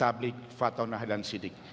tablik fatonah dan siddiq